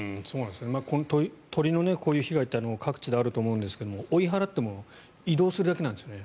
鳥のこういう被害って各地であると思うんですが追い払っても移動するだけなんですよね。